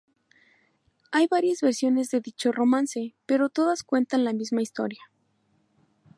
Hay varias versiones de dicho romance, pero todas cuentan la misma historia.